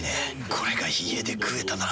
これが家で食えたなら。